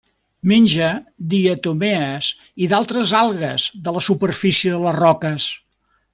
Menja diatomees i d'altres algues de la superfície de les roques.